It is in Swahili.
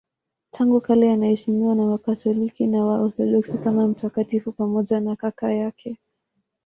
Tangu kale anaheshimiwa na Wakatoliki na Waorthodoksi kama mtakatifu pamoja na kaka yake.